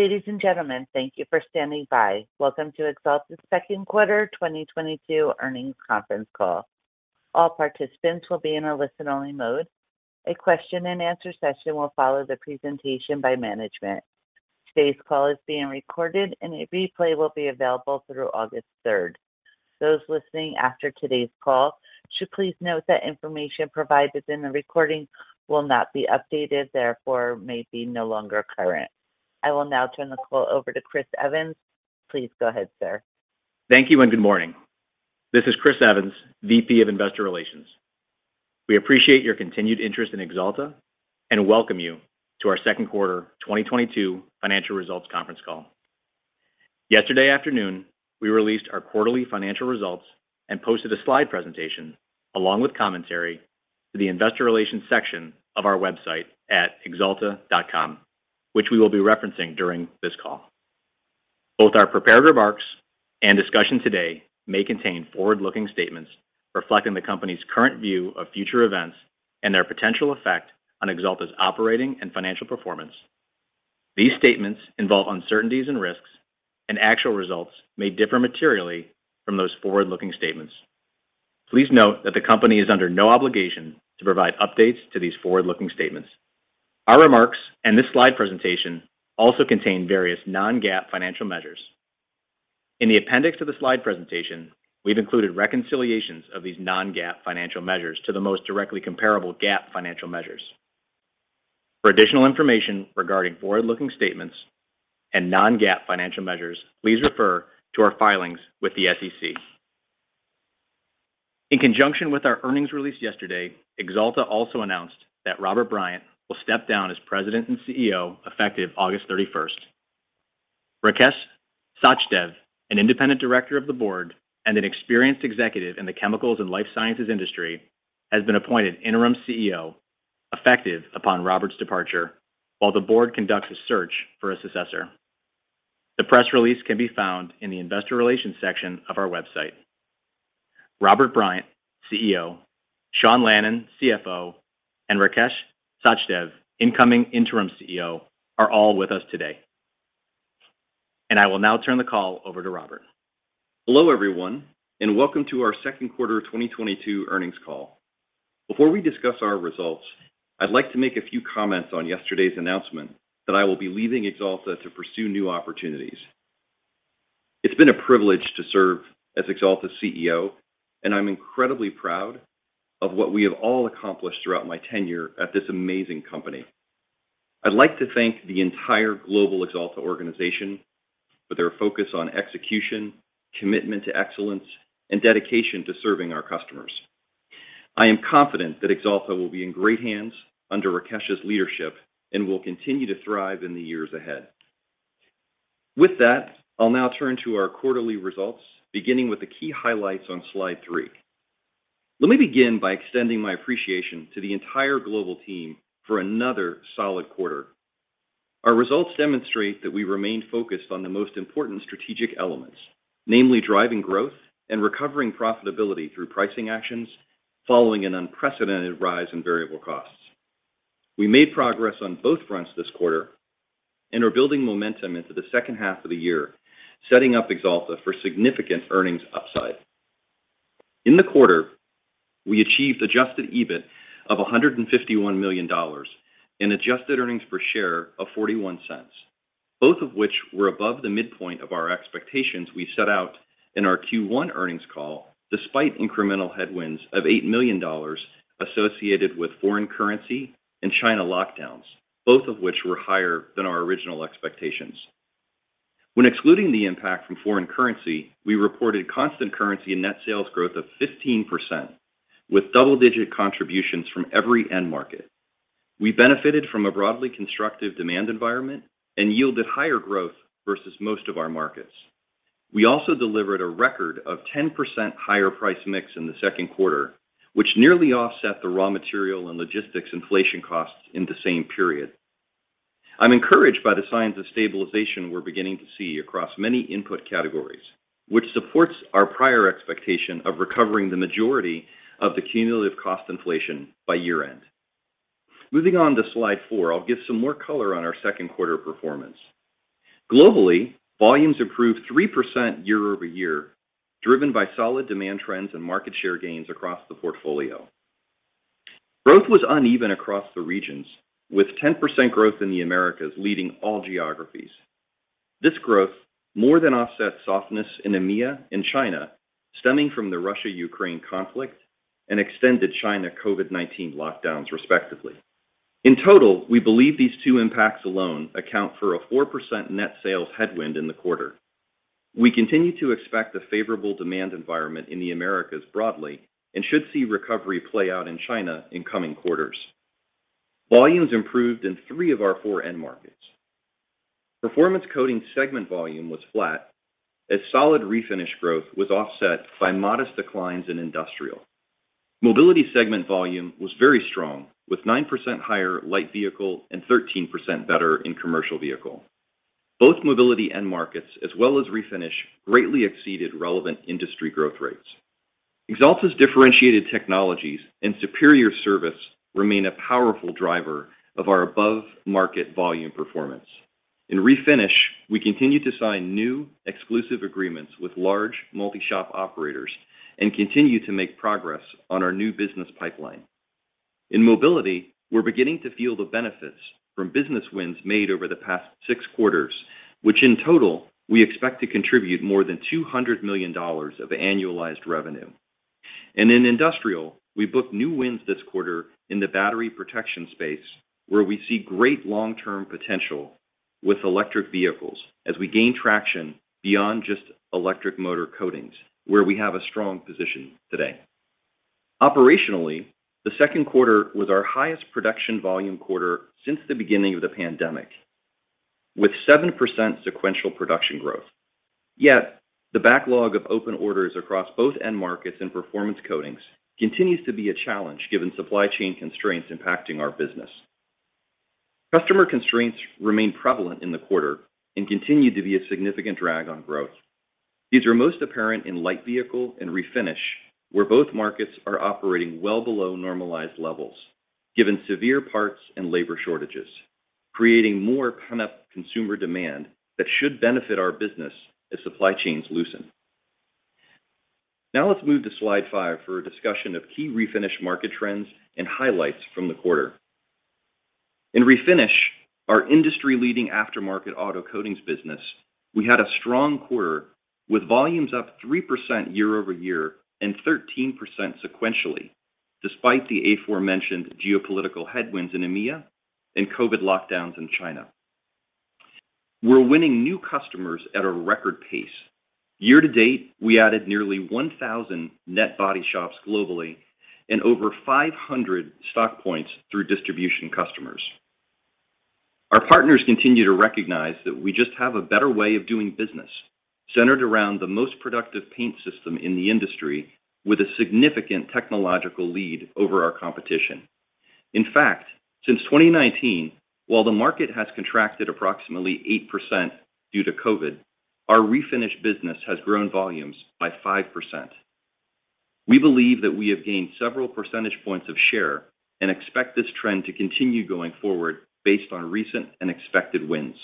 Ladies and gentlemen, thank you for standing by. Welcome to Axalta's second quarter 2022 earnings conference call. All participants will be in a listen-only mode. A question-and-answer session will follow the presentation by management. Today's call is being recorded, and a replay will be available through August 3rd. Those listening after today's call should please note that information provided in the recording will not be updated, therefore, may be no longer current. I will now turn the call over to Chris Evans. Please go ahead, sir. Thank you, and good morning. This is Chris Evans, VP of Investor Relations. We appreciate your continued interest in Axalta and welcome you to our second quarter 2022 financial results conference call. Yesterday afternoon, we released our quarterly financial results and posted a slide presentation along with commentary to the investor relations section of our website at axalta.com, which we will be referencing during this call. Both our prepared remarks and discussion today may contain forward-looking statements reflecting the company's current view of future events and their potential effect on Axalta's operating and financial performance. These statements involve uncertainties and risks, and actual results may differ materially from those forward-looking statements. Please note that the company is under no obligation to provide updates to these forward-looking statements. Our remarks and this slide presentation also contain various non-GAAP financial measures. In the appendix to the slide presentation, we've included reconciliations of these non-GAAP financial measures to the most directly comparable GAAP financial measures. For additional information regarding forward-looking statements and non-GAAP financial measures, please refer to our filings with the SEC. In conjunction with our earnings release yesterday, Axalta also announced that Robert Bryant will step down as President and CEO effective August thirty-first. Rakesh Sachdev, an independent director of the board and an experienced executive in the chemicals and life sciences industry, has been appointed interim CEO, effective upon Robert's departure while the board conducts a search for a successor. The press release can be found in the investor relations section of our website. Robert Bryant, CEO, Sean Lannon, CFO, and Rakesh Sachdev, incoming interim CEO, are all with us today. I will now turn the call over to Robert. Hello, everyone, and welcome to our second quarter 2022 earnings call. Before we discuss our results, I'd like to make a few comments on yesterday's announcement that I will be leaving Axalta to pursue new opportunities. It's been a privilege to serve as Axalta's CEO, and I'm incredibly proud of what we have all accomplished throughout my tenure at this amazing company. I'd like to thank the entire global Axalta organization for their focus on execution, commitment to excellence, and dedication to serving our customers. I am confident that Axalta will be in great hands under Rakesh's leadership and will continue to thrive in the years ahead. With that, I'll now turn to our quarterly results, beginning with the key highlights on slide three. Let me begin by extending my appreciation to the entire global team for another solid quarter. Our results demonstrate that we remain focused on the most important strategic elements, namely driving growth and recovering profitability through pricing actions following an unprecedented rise in variable costs. We made progress on both fronts this quarter and are building momentum into the second half of the year, setting up Axalta for significant earnings upside. In the quarter, we achieved adjusted EBIT of $151 million and adjusted earnings per share of $0.41, both of which were above the midpoint of our expectations we set out in our Q1 earnings call, despite incremental headwinds of $8 million associated with foreign currency and China lockdowns, both of which were higher than our original expectations. When excluding the impact from foreign currency, we reported constant currency net sales growth of 15% with double-digit contributions from every end market. We benefited from a broadly constructive demand environment and yielded higher growth versus most of our markets. We also delivered a record of 10% higher price mix in the second quarter, which nearly offset the raw material and logistics inflation costs in the same period. I'm encouraged by the signs of stabilization we're beginning to see across many input categories, which supports our prior expectation of recovering the majority of the cumulative cost inflation by year-end. Moving on to slide four, I'll give some more color on our second quarter performance. Globally, volumes improved 3% year-over-year, driven by solid demand trends and market share gains across the portfolio. Growth was uneven across the regions, with 10% growth in the Americas leading all geographies. This growth more than offset softness in EMEA and China, stemming from the Russia-Ukraine conflict and extended China COVID-19 lockdowns, respectively. In total, we believe these two impacts alone account for a 4% net sales headwind in the quarter. We continue to expect a favorable demand environment in the Americas broadly and should see recovery play out in China in coming quarters. Volumes improved in three of our four end markets. Performance Coatings segment volume was flat as solid Refinish growth was offset by modest declines in Industrial. Mobility segment volume was very strong, with 9% higher Light Vehicle and 13% better in Commercial Vehicle. Both Mobility end markets as well as Refinish greatly exceeded relevant industry growth rates. Axalta's differentiated technologies and superior service remain a powerful driver of our above-market volume performance. In Refinish, we continue to sign new exclusive agreements with large multi-shop operators and continue to make progress on our new business pipeline. In Mobility, we're beginning to feel the benefits from business wins made over the past six quarters, which in total, we expect to contribute more than $200 million of annualized revenue. In Industrial, we booked new wins this quarter in the battery protection space, where we see great long-term potential with electric vehicles as we gain traction beyond just electric motor coatings, where we have a strong position today. Operationally, the second quarter was our highest production volume quarter since the beginning of the pandemic, with 7% sequential production growth. Yet, the backlog of open orders across both end markets and Performance Coatings continues to be a challenge given supply chain constraints impacting our business. Customer constraints remained prevalent in the quarter and continued to be a significant drag on growth. These were most apparent in Light Vehicle and Refinish, where both markets are operating well below normalized levels, given severe parts and labor shortages, creating more pent-up consumer demand that should benefit our business as supply chains loosen. Now let's move to slide five for a discussion of key Refinish market trends and highlights from the quarter. In Refinish, our industry-leading aftermarket auto coatings business, we had a strong quarter with volumes up 3% year-over-year and 13% sequentially, despite the aforementioned geopolitical headwinds in EMEA and COVID lockdowns in China. We're winning new customers at a record pace. Year-to-date, we added nearly 1,000 net body shops globally and over 500 stock points through distribution customers. Our partners continue to recognize that we just have a better way of doing business, centered around the most productive paint system in the industry with a significant technological lead over our competition. In fact, since 2019, while the market has contracted approximately 8% due to COVID, our refinish business has grown volumes by 5%. We believe that we have gained several percentage points of share and expect this trend to continue going forward based on recent and expected wins.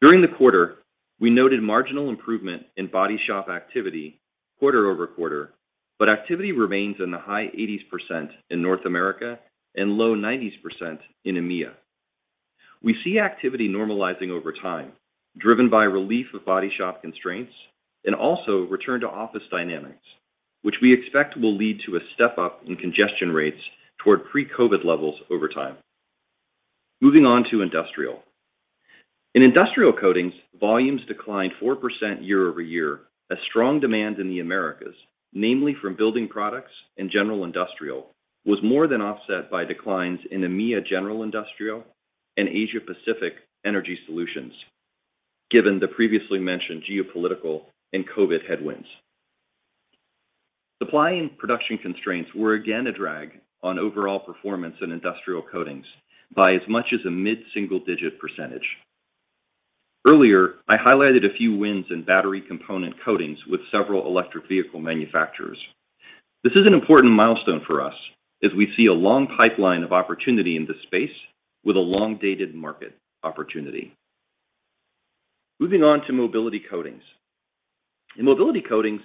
During the quarter, we noted marginal improvement in body shop activity quarter-over-quarter, but activity remains in the high 80s% in North America and low 90s% in EMEA. We see activity normalizing over time, driven by relief of body shop constraints and also return to office dynamics, which we expect will lead to a step-up in congestion rates toward pre-COVID levels over time. Moving on to Industrial. In Industrial Coatings, volumes declined 4% year-over-year as strong demand in the Americas, namely from building products and general industrial, was more than offset by declines in EMEA general industrial and Asia Pacific energy solutions, given the previously mentioned geopolitical and COVID headwinds. Supply and production constraints were again a drag on overall performance in Industrial Coatings by as much as a mid-single-digit percentage. Earlier, I highlighted a few wins in battery component coatings with several electric vehicle manufacturers. This is an important milestone for us as we see a long pipeline of opportunity in this space with a long-dated market opportunity. Moving on to Mobility Coatings. In Mobility Coatings,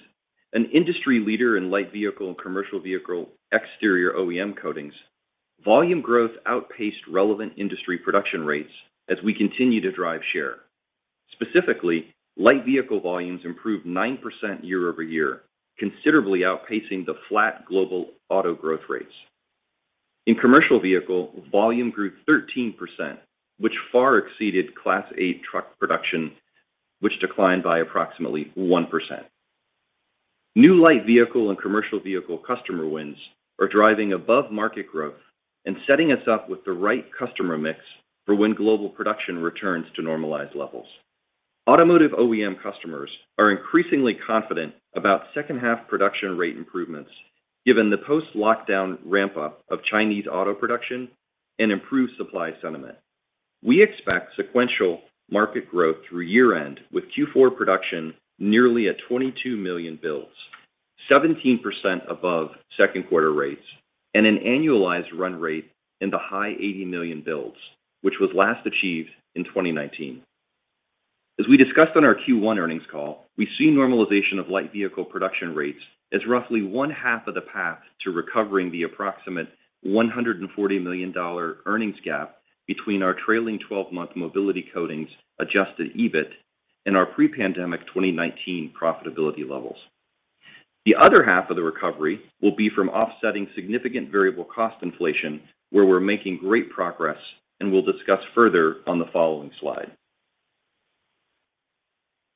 an industry leader in Light Vehicle and Commercial Vehicle exterior OEM coatings, volume growth outpaced relevant industry production rates as we continue to drive share. Specifically, light vehicle volumes improved 9% year-over-year, considerably outpacing the flat global auto growth rates. In commercial vehicle, volume grew 13%, which far exceeded Class 8 truck production, which declined by approximately 1%. New light vehicle and commercial vehicle customer wins are driving above-market growth and setting us up with the right customer mix for when global production returns to normalized levels. Automotive OEM customers are increasingly confident about second half production rate improvements given the post-lockdown ramp-up of Chinese auto production and improved supply sentiment. We expect sequential market growth through year-end with Q4 production nearly at 22 million builds, 17% above second quarter rates and an annualized run rate in the high 80 million builds, which was last achieved in 2019. As we discussed on our Q1 earnings call, we see normalization of light vehicle production rates as roughly one half of the path to recovering the approximate $140 million earnings gap between our trailing twelve-month Mobility Coatings adjusted EBIT and our pre-pandemic 2019 profitability levels. The other half of the recovery will be from offsetting significant variable cost inflation, where we're making great progress and we'll discuss further on the following slide.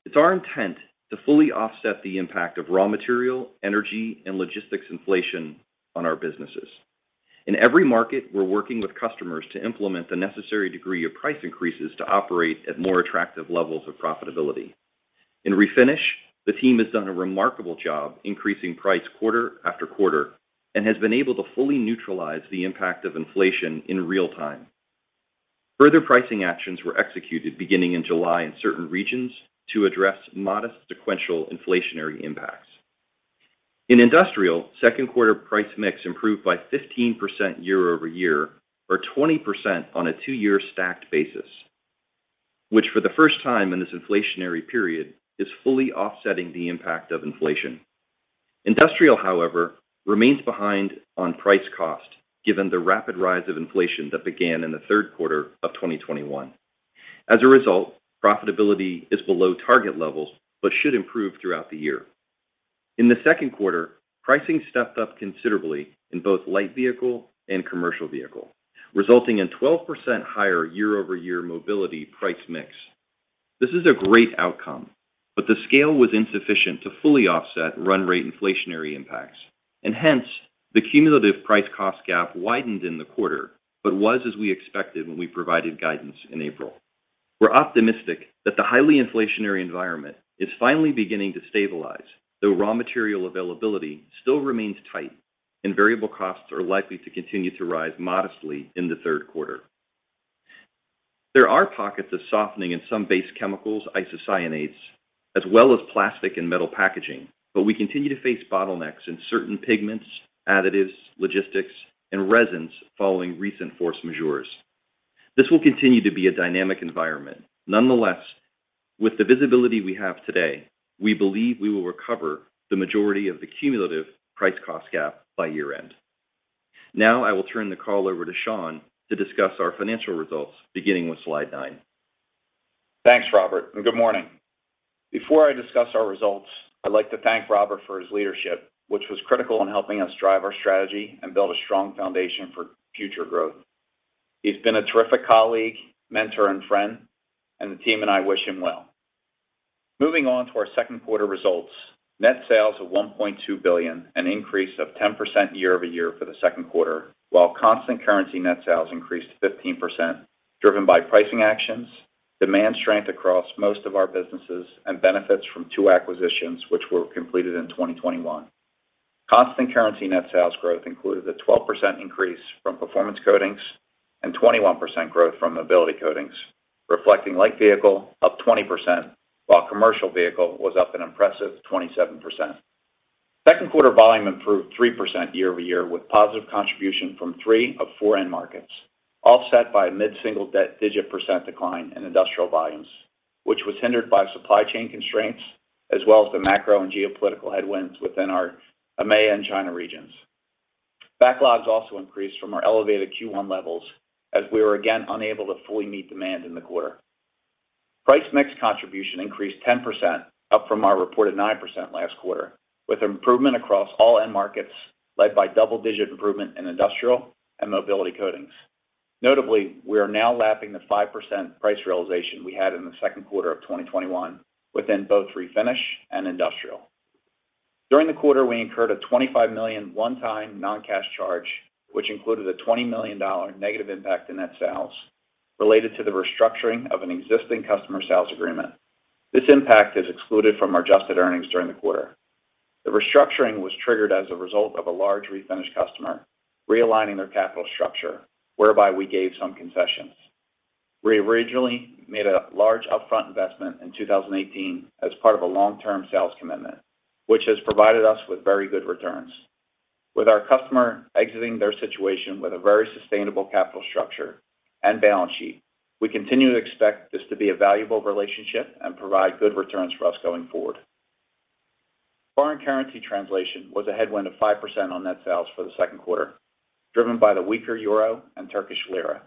It's our intent to fully offset the impact of raw material, energy, and logistics inflation on our businesses. In every market, we're working with customers to implement the necessary degree of price increases to operate at more attractive levels of profitability. In Refinish, the team has done a remarkable job increasing price quarter-after-quarter and has been able to fully neutralize the impact of inflation in real time. Further pricing actions were executed beginning in July in certain regions to address modest sequential inflationary impacts. In Industrial, second quarter price mix improved by 15% year-over-year, or 20% on a two-year stacked basis, which for the first time in this inflationary period is fully offsetting the impact of inflation. Industrial, however, remains behind on price cost, given the rapid rise of inflation that began in the third quarter of 2021. As a result, profitability is below target levels, but should improve throughout the year. In the second quarter, pricing stepped up considerably in both Light Vehicle and Commercial Vehicle, resulting in 12% higher year-over-year Mobility price mix. This is a great outcome, but the scale was insufficient to fully offset run rate inflationary impacts, and hence the cumulative price cost gap widened in the quarter, but was as we expected when we provided guidance in April. We're optimistic that the highly inflationary environment is finally beginning to stabilize, though raw material availability still remains tight and variable costs are likely to continue to rise modestly in the third quarter. There are pockets of softening in some base chemicals, isocyanates, as well as plastic and metal packaging, but we continue to face bottlenecks in certain pigments, additives, logistics, and resins following recent force majeures. This will continue to be a dynamic environment. Nonetheless, with the visibility we have today, we believe we will recover the majority of the cumulative price cost gap by year-end. Now I will turn the call over to Sean to discuss our financial results, beginning with slide 9. Thanks, Robert, and good morning. Before I discuss our results, I'd like to thank Robert for his leadership, which was critical in helping us drive our strategy and build a strong foundation for future growth. He's been a terrific colleague, mentor, and friend, and the team and I wish him well. Moving on to our second quarter results. Net sales of $1.2 billion, an increase of 10% year-over-year for the second quarter, while constant currency net sales increased 15%, driven by pricing actions, demand strength across most of our businesses, and benefits from two acquisitions which were completed in 2021. Constant currency net sales growth included a 12% increase from Performance Coatings and 21% growth from Mobility Coatings, reflecting Light Vehicle up 20%, while Commercial Vehicle was up an impressive 27%. Second quarter volume improved 3% year-over-year with positive contribution from three of four end markets, offset by a mid-single-digit percent decline in Industrial volumes, which was hindered by supply chain constraints as well as the macro and geopolitical headwinds within our EMEA and China regions. Backlogs also increased from our elevated Q1 levels as we were again unable to fully meet demand in the quarter. Price mix contribution increased 10%, up from our reported 9% last quarter, with improvement across all end markets led by double-digit improvement in Industrial and Mobility Coatings. Notably, we are now lapping the 5% price realization we had in the second quarter of 2021 within both Refinish and Industrial. During the quarter, we incurred a $25 million one-time non-cash charge, which included a $20 million negative impact in net sales related to the restructuring of an existing customer sales agreement. This impact is excluded from our adjusted earnings during the quarter. The restructuring was triggered as a result of a large refinish customer realigning their capital structure, whereby we gave some concessions. We originally made a large upfront investment in 2018 as part of a long-term sales commitment, which has provided us with very good returns. With our customer exiting their situation with a very sustainable capital structure and balance sheet, we continue to expect this to be a valuable relationship and provide good returns for us going forward. Foreign currency translation was a headwind of 5% on net sales for the second quarter, driven by the weaker euro and Turkish lira.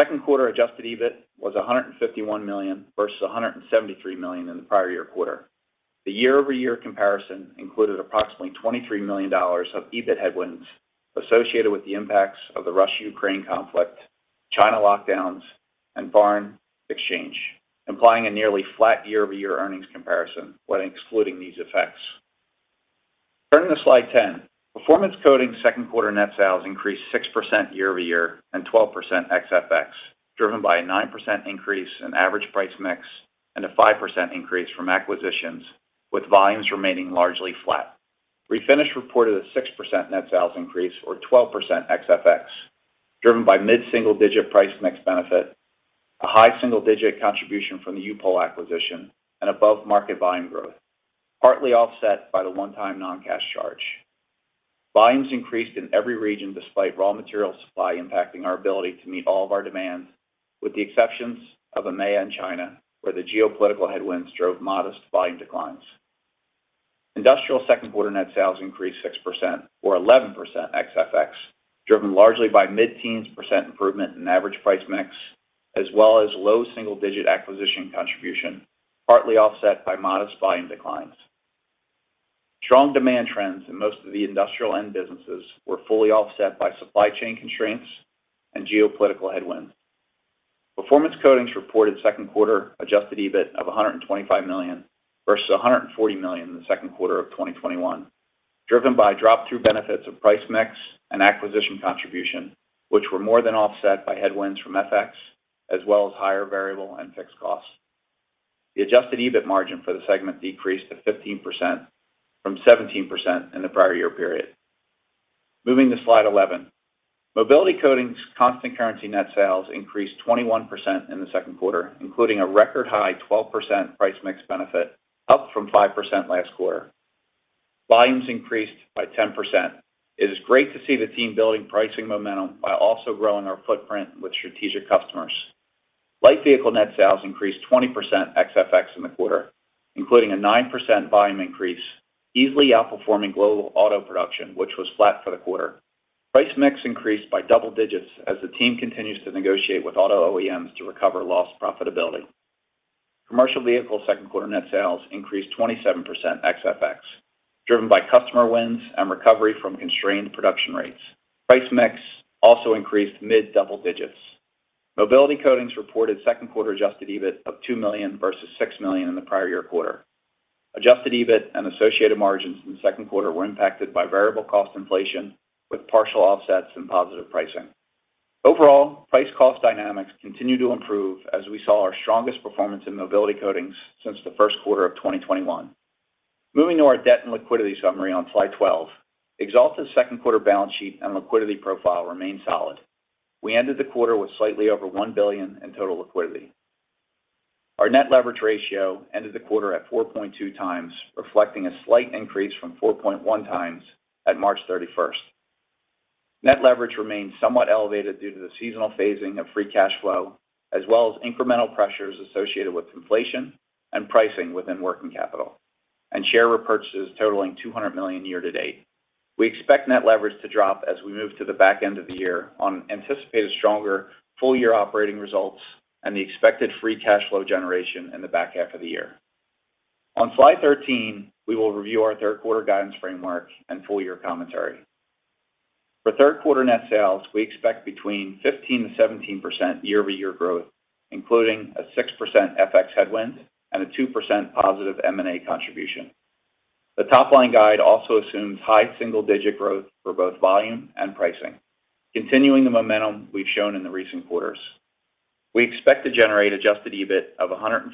Second quarter adjusted EBIT was $151 million versus $173 million in the prior year quarter. The year-over-year comparison included approximately $23 million of EBIT headwinds associated with the impacts of the Russia-Ukraine conflict, China lockdowns, and foreign exchange, implying a nearly flat year-over-year earnings comparison when excluding these effects. Turning to slide 10. Performance Coatings second quarter net sales increased 6% year-over-year and 12% ex-FX, driven by a 9% increase in average price mix and a 5% increase from acquisitions, with volumes remaining largely flat. Refinish reported a 6% net sales increase or 12% ex-FX, driven by mid-single digit price mix benefit, a high single digit contribution from the U-POL acquisition, and above market volume growth, partly offset by the one-time non-cash charge. Volumes increased in every region despite raw material supply impacting our ability to meet all of our demands, with the exceptions of EMEA and China, where the geopolitical headwinds drove modest volume declines. Industrial second quarter net sales increased 6% or 11% ex-FX, driven largely by mid-teens % improvement in average price mix, as well as low single-digit acquisition contribution, partly offset by modest volume declines. Strong demand trends in most of the industrial end businesses were fully offset by supply chain constraints and geopolitical headwinds. Performance Coatings reported second quarter adjusted EBIT of $125 million versus $140 million in the second quarter of 2021, driven by drop-through benefits of price mix and acquisition contribution, which were more than offset by headwinds from FX, as well as higher variable and fixed costs. The adjusted EBIT margin for the segment decreased to 15% from 17% in the prior year period. Moving to slide 11. Mobility Coatings constant currency net sales increased 21% in the second quarter, including a record high 12% price mix benefit, up from 5% last quarter. Volumes increased by 10%. It is great to see the team building pricing momentum while also growing our footprint with strategic customers. Light Vehicle net sales increased 20% ex-FX in the quarter, including a 9% volume increase, easily outperforming global auto production, which was flat for the quarter. Price mix increased by double digits as the team continues to negotiate with auto OEMs to recover lost profitability. Commercial Vehicle second quarter net sales increased 27% ex-FX, driven by customer wins and recovery from constrained production rates. Price mix also increased mid-double digits. Mobility Coatings reported second quarter adjusted EBIT of $2 million versus $6 million in the prior year quarter. Adjusted EBIT and associated margins in the second quarter were impacted by variable cost inflation with partial offsets and positive pricing. Overall, price cost dynamics continue to improve as we saw our strongest performance in Mobility Coatings since the first quarter of 2021. Moving to our debt and liquidity summary on slide 12. Axalta's second quarter balance sheet and liquidity profile remain solid. We ended the quarter with slightly over $1 billion in total liquidity. Our net leverage ratio ended the quarter at 4.2x, reflecting a slight increase from 4.1x at March 31. Net leverage remains somewhat elevated due to the seasonal phasing of free cash flow, as well as incremental pressures associated with inflation and pricing within working capital, and share repurchases totaling $200 million year to date. We expect net leverage to drop as we move to the back end of the year on anticipated stronger full year operating results and the expected free cash flow generation in the back half of the year. On slide 13, we will review our third quarter guidance framework and full year commentary. For third quarter net sales, we expect between 15%-17% year-over-year growth, including a 6% FX headwind and a 2% positive M&A contribution. The top-line guide also assumes high single-digit growth for both volume and pricing, continuing the momentum we've shown in the recent quarters. We expect to generate adjusted EBIT of $140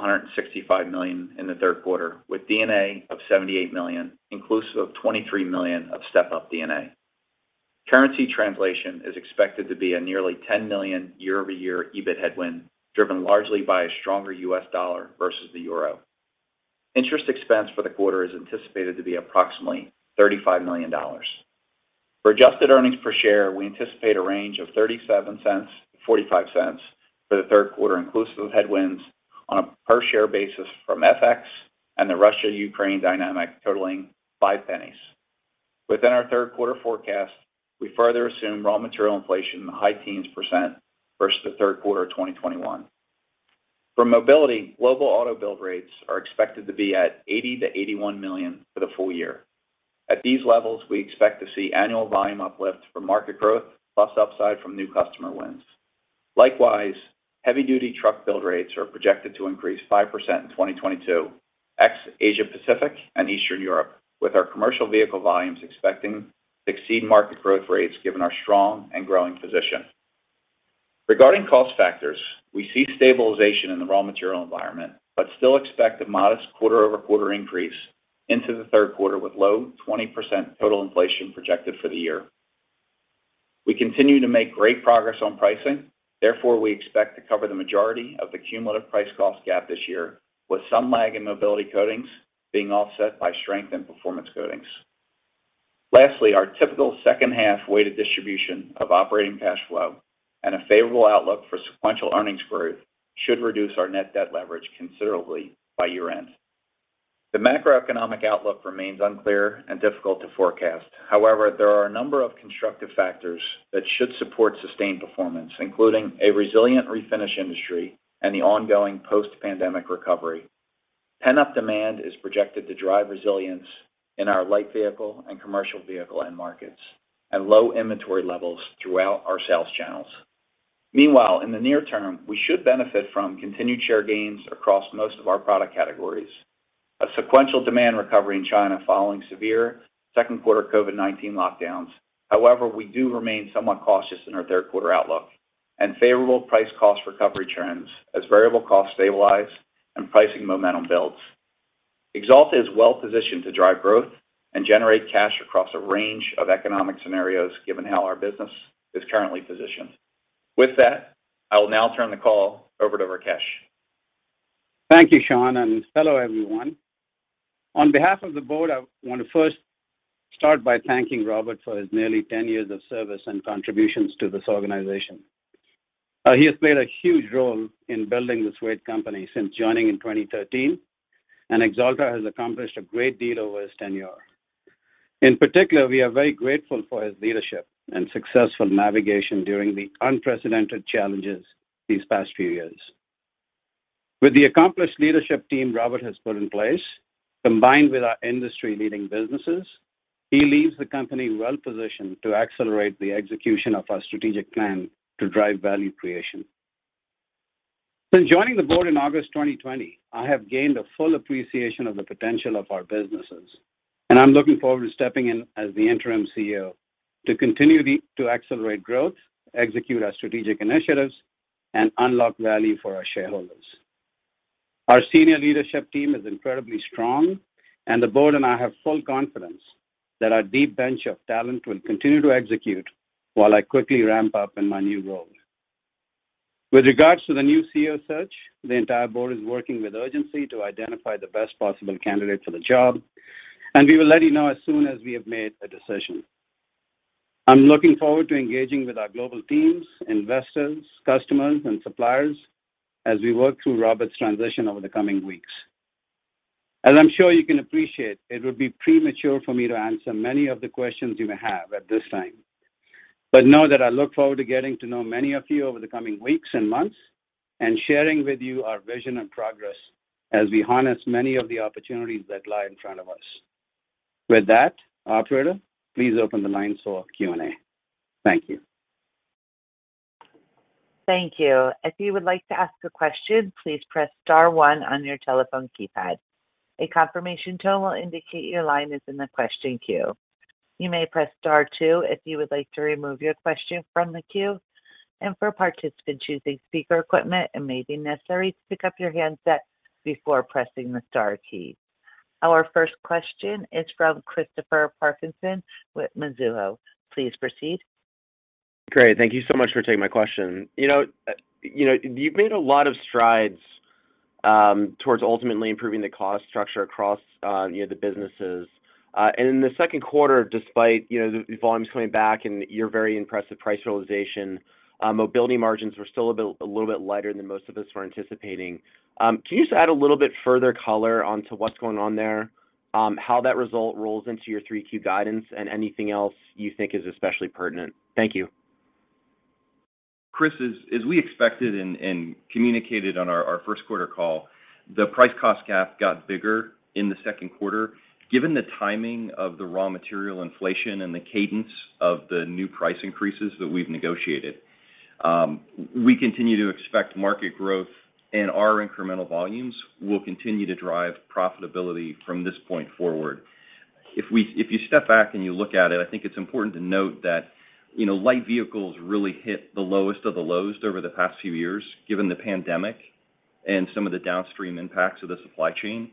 million-$165 million in the third quarter, with D&A of $78 million, inclusive of $23 million of step-up D&A. Currency translation is expected to be a nearly $10 million year-over-year EBIT headwind, driven largely by a stronger U.S. dollar versus the euro. Interest expense for the quarter is anticipated to be approximately $35 million. For adjusted earnings per share, we anticipate a range of $0.37-$0.45 for the third quarter, inclusive of headwinds on a per share basis from FX and the Russia-Ukraine dynamic totaling $0.05. Within our third quarter forecast, we further assume raw material inflation in the high teens% versus the third quarter of 2021. For Mobility, global auto build rates are expected to be at 80-81 million for the full year. At these levels, we expect to see annual volume uplift from market growth plus upside from new customer wins. Likewise, heavy-duty truck build rates are projected to increase 5% in 2022, ex Asia Pacific and Eastern Europe, with our commercial vehicle volumes expecting to exceed market growth rates given our strong and growing position. Regarding cost factors, we see stabilization in the raw material environment, but still expect a modest quarter-over-quarter increase into the third quarter with low 20% total inflation projected for the year. We continue to make great progress on pricing. Therefore, we expect to cover the majority of the cumulative price cost gap this year, with some lag in Mobility Coatings being offset by strength in Performance Coatings. Lastly, our typical second half weighted distribution of operating cash flow and a favorable outlook for sequential earnings growth should reduce our net debt leverage considerably by year-end. The macroeconomic outlook remains unclear and difficult to forecast. However, there are a number of constructive factors that should support sustained performance, including a resilient refinish industry and the ongoing post-pandemic recovery. Pent-up demand is projected to drive resilience in our Light Vehicle and Commercial Vehicle end markets and low inventory levels throughout our sales channels. Meanwhile, in the near term, we should benefit from continued share gains across most of our product categories. A sequential demand recovery in China following severe second quarter COVID-19 lockdowns. However, we do remain somewhat cautious in our third quarter outlook and favorable price cost recovery trends as variable costs stabilize and pricing momentum builds. Axalta is well-positioned to drive growth and generate cash across a range of economic scenarios given how our business is currently positioned. With that, I will now turn the call over to Rakesh. Thank you, Sean, and hello, everyone. On behalf of the board, I want to first start by thanking Robert for his nearly 10 years of service and contributions to this organization. He has played a huge role in building this great company since joining in 2013, and Axalta has accomplished a great deal over his tenure. In particular, we are very grateful for his leadership and successful navigation during the unprecedented challenges these past few years. With the accomplished leadership team Robert has put in place, combined with our industry-leading businesses, he leaves the company well-positioned to accelerate the execution of our strategic plan to drive value creation. Since joining the board in August 2020, I have gained a full appreciation of the potential of our businesses. I'm looking forward to stepping in as the interim CEO to continue to accelerate growth, execute our strategic initiatives, and unlock value for our shareholders. Our senior leadership team is incredibly strong, and the board and I have full confidence that our deep bench of talent will continue to execute while I quickly ramp up in my new role. With regards to the new CEO search, the entire board is working with urgency to identify the best possible candidate for the job, and we will let you know as soon as we have made a decision. I'm looking forward to engaging with our global teams, investors, customers, and suppliers as we work through Robert's transition over the coming weeks. As I'm sure you can appreciate, it would be premature for me to answer many of the questions you may have at this time. Know that I look forward to getting to know many of you over the coming weeks and months and sharing with you our vision and progress as we harness many of the opportunities that lie in front of us. With that, operator, please open the line for Q&A. Thank you. Thank you. If you would like to ask a question, please press star one on your telephone keypad. A confirmation tone will indicate your line is in the question queue. You may press star two if you would like to remove your question from the queue. For participants using speaker equipment, it may be necessary to pick up your handset before pressing the star key. Our first question is from Christopher Parkinson with Mizuho. Please proceed. Great. Thank you so much for taking my question. You know, you've made a lot of strides towards ultimately improving the cost structure across, you know, the businesses. In the second quarter, despite, you know, the volumes coming back and your very impressive price realization, Mobility margins were still a bit, a little bit lighter than most of us were anticipating. Can you just add a little bit further color onto what's going on there, how that result rolls into your 3Q guidance and anything else you think is especially pertinent? Thank you. Chris, as we expected and communicated on our first quarter call, the price cost gap got bigger in the second quarter given the timing of the raw material inflation and the cadence of the new price increases that we've negotiated. We continue to expect market growth and our incremental volumes will continue to drive profitability from this point forward. If you step back and you look at it, I think it's important to note that, you know, Light Vehicle really hit the lowest of the lows over the past few years given the pandemic and some of the downstream impacts of the supply chain.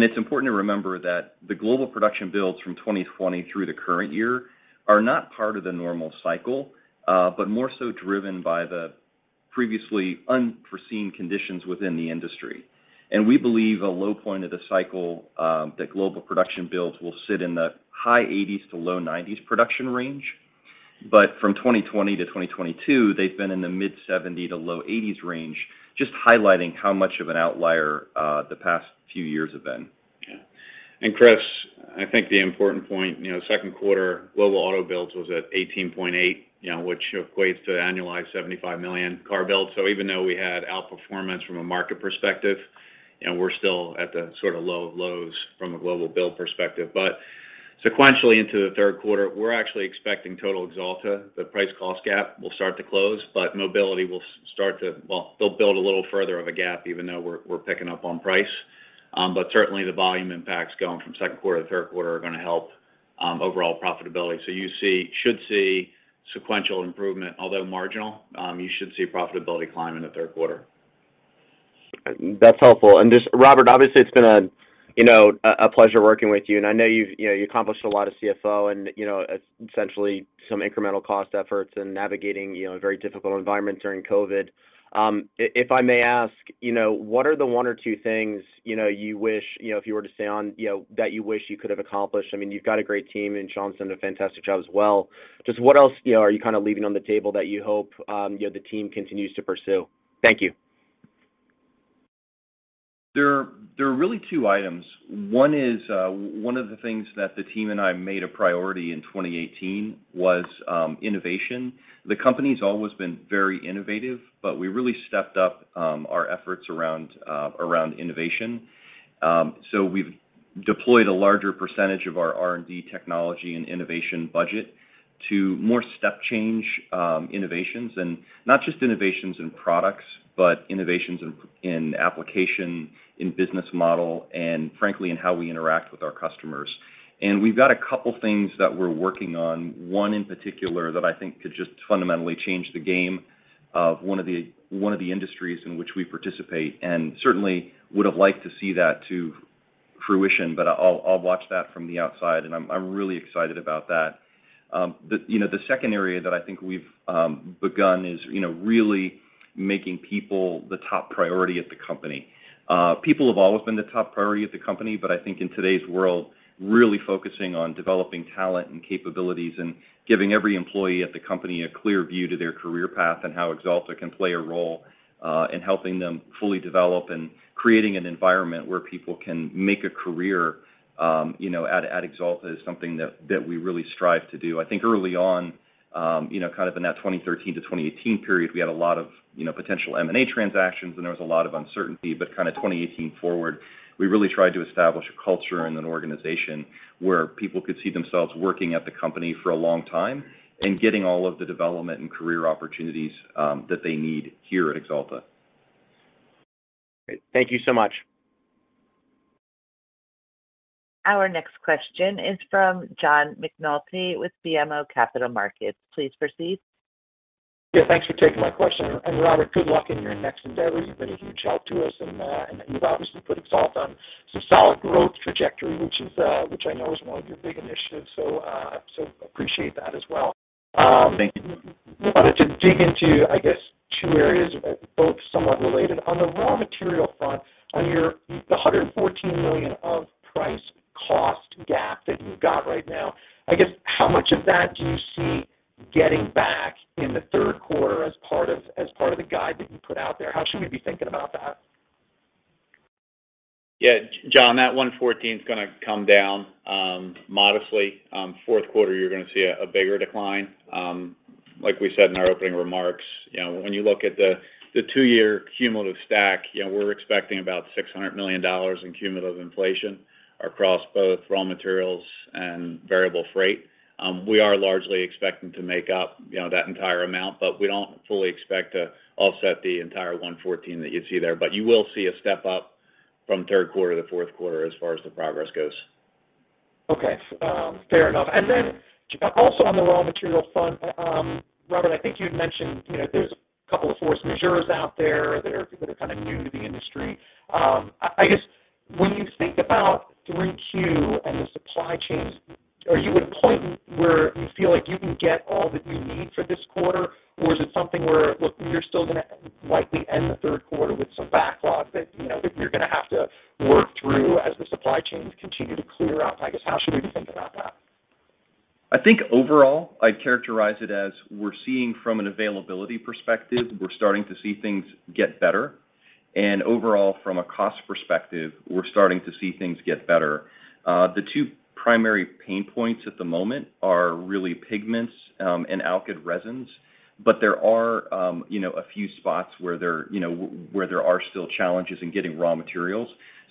It's important to remember that the global production builds from 2020 through the current year are not part of the normal cycle, but more so driven by the previously unforeseen conditions within the industry. We believe a low point of the cycle, that global production builds will sit in the high 80s-low 90s production range. From 2020 to 2022, they've been in the mid-70s-low 80s range, just highlighting how much of an outlier the past few years have been. Yeah. Chris, I think the important point, you know, second quarter global auto builds was at 18.8, you know, which equates to an annualized 75 million car build. Even though we had outperformance from a market perspective, you know, we're still at the sort of low of lows from a global build perspective. Sequentially into the third quarter, we're actually expecting total Axalta, the price cost gap will start to close, but mobility will start to. Well, they'll build a little further of a gap even though we're picking up on price. But certainly the volume impacts going from second quarter to third quarter are gonna help overall profitability. You should see sequential improvement, although marginal. You should see profitability climb in the third quarter. That's helpful. Just Robert, obviously it's been a, you know, a pleasure working with you. I know you've, you know, you accomplished a lot as CFO and, you know, essentially some incremental cost efforts and navigating, you know, a very difficult environment during COVID. If I may ask, you know, what are the one or two things, you know, you wish, you know, if you were to stay on, you know, that you wish you could have accomplished? I mean, you've got a great team, and Sean's done a fantastic job as well. Just what else, you know, are you kind of leaving on the table that you hope, you know, the team continues to pursue? Thank you. There are really two items. One is one of the things that the team and I made a priority in 2018 was innovation. The company's always been very innovative, but we really stepped up our efforts around innovation. We've deployed a larger percentage of our R&D technology and innovation budget to more step change innovations and not just innovations in products, but innovations in application, in business model, and frankly, in how we interact with our customers. We've got a couple things that we're working on, one in particular that I think could just fundamentally change the game of one of the industries in which we participate, and certainly would've liked to see that to fruition. I'll watch that from the outside and I'm really excited about that. The second area that I think we've begun is really making people the top priority at the company. People have always been the top priority at the company, but I think in today's world, really focusing on developing talent and capabilities and giving every employee at the company a clear view to their career path and how Axalta can play a role in helping them fully develop and creating an environment where people can make a career at Axalta is something that we really strive to do. I think early on, kind of in that 2013 to 2018 period, we had a lot of potential M&A transactions and there was a lot of uncertainty. Kind of 2018 forward, we really tried to establish a culture and an organization where people could see themselves working at the company for a long time and getting all of the development and career opportunities, that they need here at Axalta. Thank you so much. Our next question is from John McNulty with BMO Capital Markets. Please proceed. Yeah, thanks for taking my question. Robert, good luck in your next endeavor. You've been a huge help to us, and you've obviously put Axalta on a solid growth trajectory, which I know is one of your big initiatives. Appreciate that as well. Thank you. Wanted to dig into, I guess, two areas, both somewhat related. On the raw material front, on your, the $114 million of price cost gap that you've got right now, I guess how much of that do you see getting back in the third quarter as part of the guide that you put out there? How should we be thinking about that? Yeah, John, that $114's gonna come down modestly. Fourth quarter, you're gonna see a bigger decline. Like we said in our opening remarks, you know, when you look at the two-year cumulative stack, you know, we're expecting about $600 million in cumulative inflation across both raw materials and variable freight. We are largely expecting to make up, you know, that entire amount, but we don't fully expect to offset the entire $114 that you see there. You will see a step up from third quarter to fourth quarter as far as the progress goes. Okay. Fair enough. Also on the raw material front, Robert, I think you had mentioned, you know, there's a couple of force majeure out there that are kind of new to the industry. I guess when you think about 3Q and the supply chains, are you at a point where you feel like you can get all that you need for this quarter? Or is it something where, look, you're still gonna likely end the third quarter with some backlogs that, you know, that you're gonna have to work through as the supply chains continue to clear out? I guess, how should we be thinking about that? I think overall, I'd characterize it as we're seeing from an availability perspective, we're starting to see things get better. Overall, from a cost perspective, we're starting to see things get better. The two primary pain points at the moment are really pigments and alkyd resins. There are, you know, a few spots where there are still challenges in getting raw materials.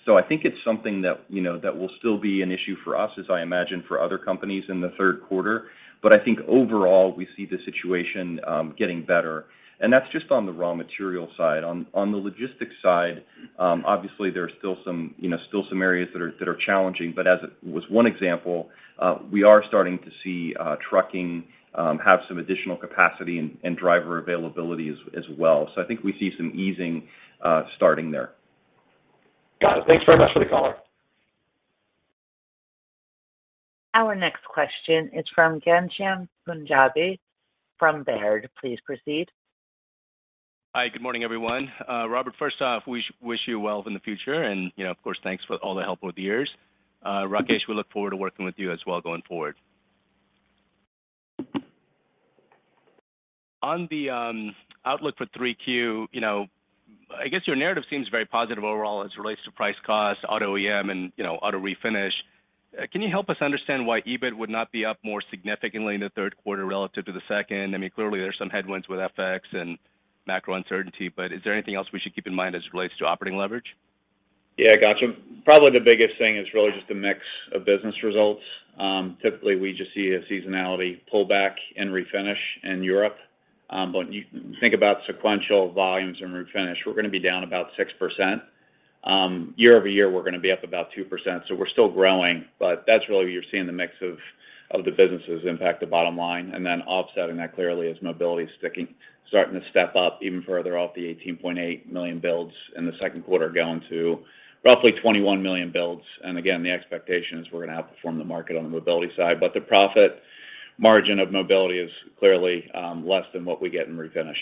I think it's something that, you know, that will still be an issue for us, as I imagine for other companies in the third quarter. I think overall, we see the situation getting better, and that's just on the raw material side. On the logistics side, obviously there are still some areas that are challenging. As was one example, we are starting to see trucking have some additional capacity and driver availability as well. I think we see some easing starting there. Got it. Thanks very much for the color. Our next question is from Ghansham Panjabi from Baird. Please proceed. Hi, good morning, everyone. Robert, first off, wish you well in the future, and, you know, of course, thanks for all the help over the years. Rakesh, we look forward to working with you as well going forward. On the outlook for 3Q, you know, I guess your narrative seems very positive overall as it relates to price cost, auto OEM, and, you know, auto refinish. Can you help us understand why EBIT would not be up more significantly in the third quarter relative to the second? I mean, clearly there's some headwinds with FX and macro uncertainty, but is there anything else we should keep in mind as it relates to operating leverage? Yeah, gotcha. Probably the biggest thing is really just a mix of business results. Typically we just see a seasonality pullback in Refinish in Europe. You think about sequential volumes in Refinish. We're gonna be down about 6%. Year-over-year, we're gonna be up about 2%, so we're still growing. That's really where you're seeing the mix of the businesses impact the bottom line. Offsetting that clearly is Mobility starting to step up even further off the 18.8 million builds in the second quarter, going to roughly 21 million builds. The expectation is we're gonna outperform the market on the Mobility side. The profit margin of Mobility is clearly less than what we get in Refinish.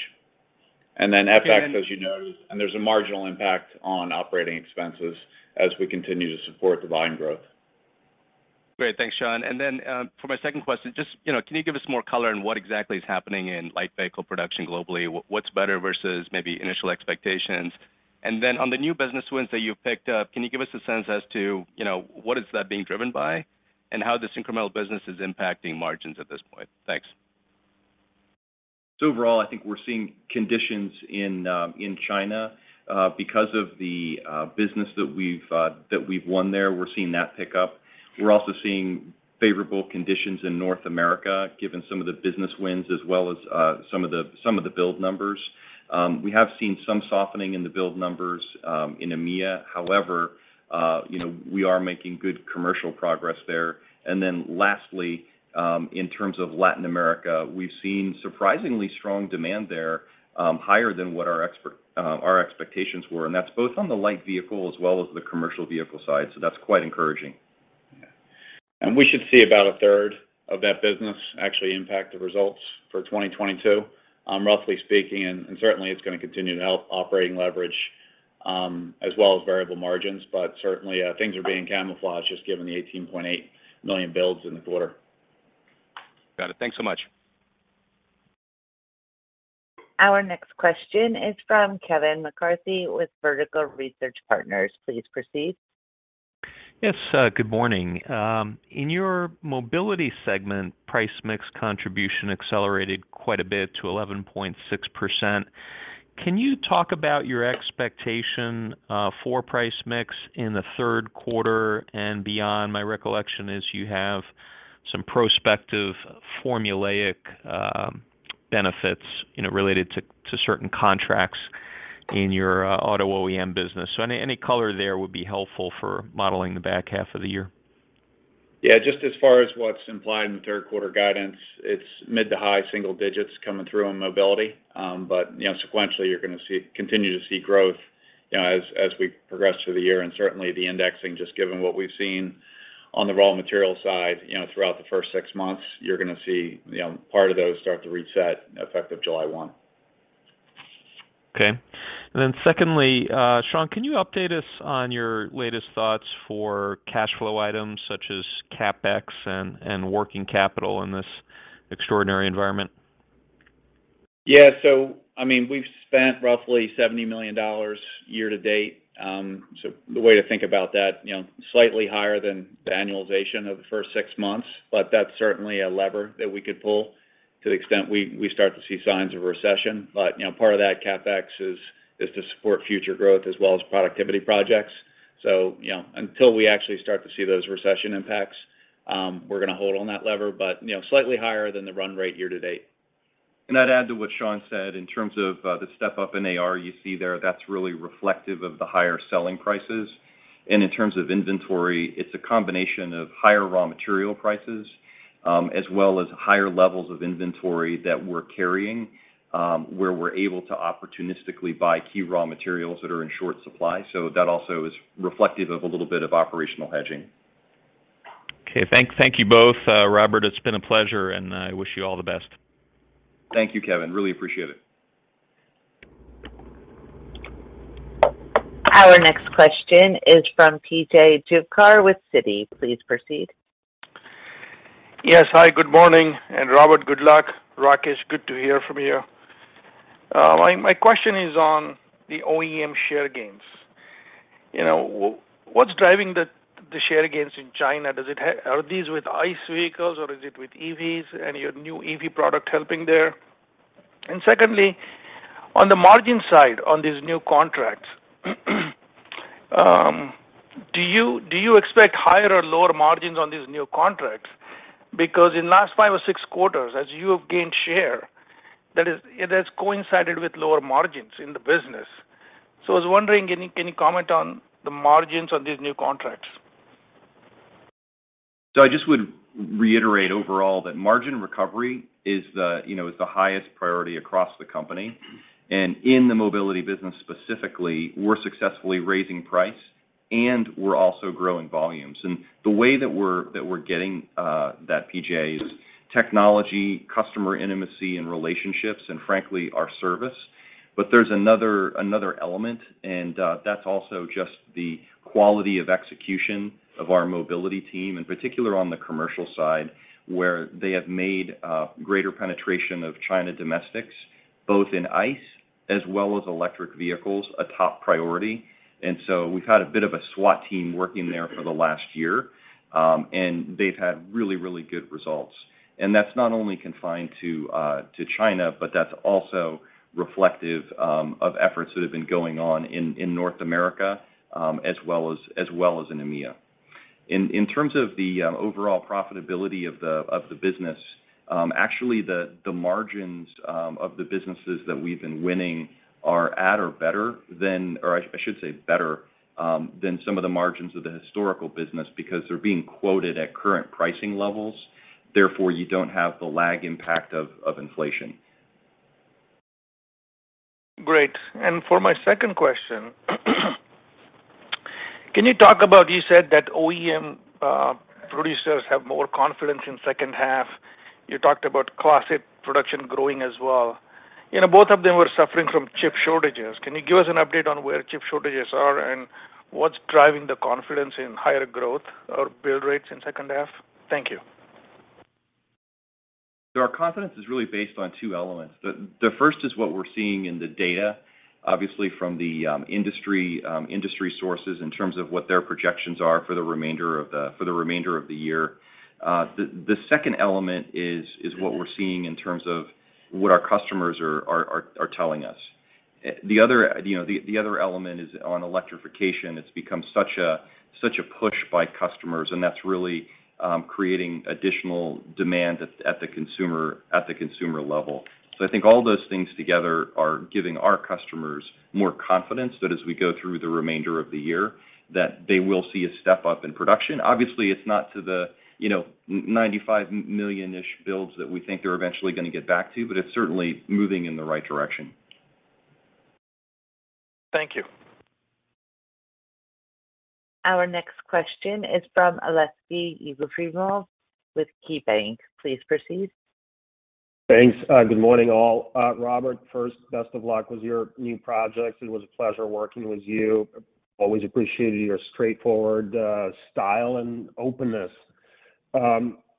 FX, as you know, and there's a marginal impact on operating expenses as we continue to support volume growth. Great. Thanks, Sean. For my second question, just, you know, can you give us more color on what exactly is happening in light vehicle production globally? What's better versus maybe initial expectations? On the new business wins that you've picked up, can you give us a sense as to, you know, what is that being driven by and how this incremental business is impacting margins at this point? Thanks. Overall, I think we're seeing conditions in China because of the business that we've won there. We're seeing that pick up. We're also seeing favorable conditions in North America, given some of the business wins as well as some of the build numbers. We have seen some softening in the build numbers in EMEA. However, you know, we are making good commercial progress there. Lastly, in terms of Latin America, we've seen surprisingly strong demand there, higher than what our expectations were, and that's both on the Light Vehicle as well as the Commercial Vehicle side. That's quite encouraging. We should see about a third of that business actually impact the results for 2022, roughly speaking. Certainly it's gonna continue to help operating leverage, as well as variable margins. Certainly, things are being camouflaged just given the 18.8 million builds in the quarter. Got it. Thanks so much. Our next question is from Kevin McCarthy with Vertical Research Partners. Please proceed. Yes, good morning. In your mobility segment, price mix contribution accelerated quite a bit to 11.6%. Can you talk about your expectation for price mix in the third quarter and beyond? My recollection is you have some prospective formulaic benefits, you know, related to certain contracts in your auto OEM business. Any color there would be helpful for modeling the back half of the year. Yeah. Just as far as what's implied in the third quarter guidance, it's mid to high single digits coming through on mobility. But, you know, sequentially, you're gonna continue to see growth, you know, as we progress through the year. Certainly the indexing, just given what we've seen on the raw material side, you know, throughout the first six months, you're gonna see, you know, part of those start to reset effective July 1. Okay. Secondly, Sean, can you update us on your latest thoughts for cash flow items such as CapEx and working capital in this extraordinary environment? Yeah. I mean, we've spent roughly $70 million year to date. The way to think about that, you know, slightly higher than the annualization of the first six months, but that's certainly a lever that we could pull to the extent we start to see signs of recession. You know, part of that CapEx is to support future growth as well as productivity projects. You know, until we actually start to see those recession impacts, we're gonna hold on that lever, but, you know, slightly higher than the run rate year to date. I'd add to what Sean said, in terms of the step up in AR you see there, that's really reflective of the higher selling prices. In terms of inventory, it's a combination of higher raw material prices, as well as higher levels of inventory that we're carrying, where we're able to opportunistically buy key raw materials that are in short supply. That also is reflective of a little bit of operational hedging. Okay. Thank you both. Robert, it's been a pleasure, and I wish you all the best. Thank you, Kevin. Really appreciate it. Our next question is from P.J. Juvekar with Citi. Please proceed. Yes. Hi, good morning. Robert, good luck. Rakesh, good to hear from you. My question is on the OEM share gains. You know, what's driving the share gains in China? Are these with ICE vehicles or is it with EVs? Any of your new EV product helping there? Secondly, on the margin side on these new contracts, do you expect higher or lower margins on these new contracts? Because in last five or six quarters, as you have gained share, it has coincided with lower margins in the business. I was wondering, can you comment on the margins on these new contracts? I just would reiterate overall that margin recovery is the highest priority across the company. In the mobility business specifically, we're successfully raising price, and we're also growing volumes. The way that we're getting that, P.J., is technology, customer intimacy and relationships, and frankly, our service. There's another element, and that's also just the quality of execution of our mobility team, in particular on the commercial side, where they have made greater penetration of China domestics, both in ICE as well as electric vehicles, a top priority. We've had a bit of a SWAT team working there for the last year, and they've had really good results. That's not only confined to China, but that's also reflective of efforts that have been going on in North America as well as in EMEA. In terms of the overall profitability of the business, actually, the margins of the businesses that we've been winning are better than some of the margins of the historical business because they're being quoted at current pricing levels. Therefore, you don't have the lag impact of inflation. Great. For my second question, can you talk about, you said that OEM producers have more confidence in second half. You talked about Class 8 production growing as well. You know, both of them were suffering from chip shortages. Can you give us an update on where chip shortages are and what's driving the confidence in higher growth or build rates in second half? Thank you. Our confidence is really based on two elements. The first is what we're seeing in the data, obviously from the industry sources in terms of what their projections are for the remainder of the year. The second element is what we're seeing in terms of what our customers are telling us. The other, you know, element is on electrification. It's become such a push by customers, and that's really creating additional demand at the consumer level. I think all those things together are giving our customers more confidence that as we go through the remainder of the year that they will see a step up in production. Obviously, it's not to the, you know, 95 million-ish builds that we think they're eventually gonna get back to, but it's certainly moving in the right direction. Thank you. Our next question is from Aleksey Yefremov with KeyBanc. Please proceed. Thanks. Good morning, all. Robert, first, best of luck with your new projects. It was a pleasure working with you. Always appreciated your straightforward style and openness.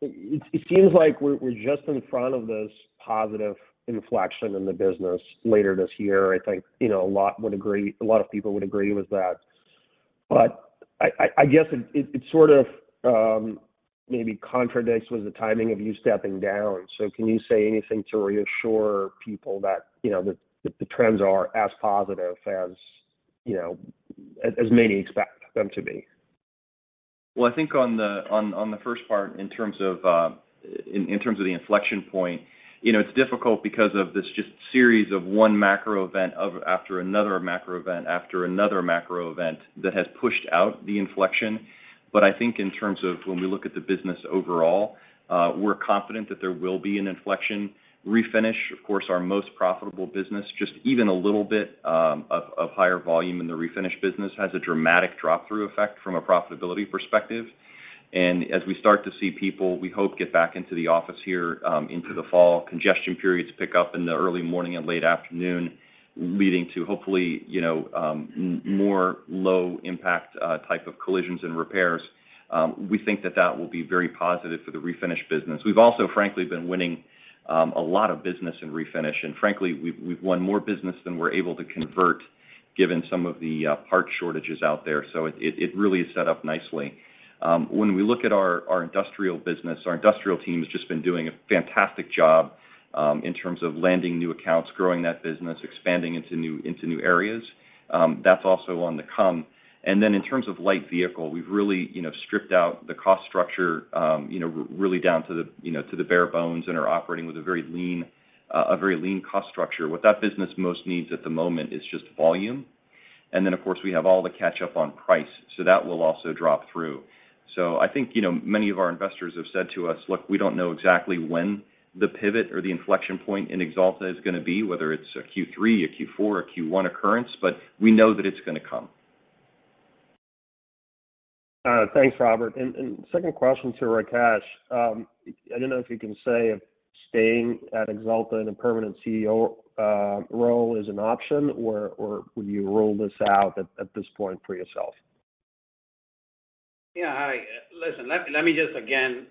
It seems like we're just in front of this positive inflection in the business later this year. I think, you know, a lot would agree, a lot of people would agree with that. But I guess it sort of maybe contradicts with the timing of you stepping down. Can you say anything to reassure people that, you know, the trends are as positive as, you know, as many expect them to be? Well, I think on the first part in terms of the inflection point, you know, it's difficult because of this just series of one macro event after another macro event, after another macro event that has pushed out the inflection. I think in terms of when we look at the business overall, we're confident that there will be an inflection. Refinish, of course, our most profitable business. Just even a little bit of higher volume in the refinish business has a dramatic drop-through effect from a profitability perspective. As we start to see people, we hope, get back into the office here, into the fall, congestion periods pick up in the early morning and late afternoon, leading to hopefully, you know, more low impact type of collisions and repairs. We think that will be very positive for the Refinish business. We've also frankly been winning a lot of business in Refinish, and frankly, we've won more business than we're able to convert given some of the parts shortages out there. It really is set up nicely. When we look at our Industrial business, our Industrial team has just been doing a fantastic job in terms of landing new accounts, growing that business, expanding into new areas. That's also on the come. Then in terms of Light Vehicle, we've really, you know, stripped out the cost structure, you know, really down to the bare bones and are operating with a very lean cost structure. What that business most needs at the moment is just volume. Of course, we have all to catch up on price, so that will also drop through. I think, you know, many of our investors have said to us, "Look, we don't know exactly when the pivot or the inflection point in Axalta is gonna be, whether it's a Q3, a Q4, a Q1 occurrence, but we know that it's gonna come." Thanks, Robert. Second question to Rakesh. I don't know if you can say if staying at Axalta in a permanent CEO role is an option or would you rule this out at this point for yourself? Yeah. Hi. Listen, let me just again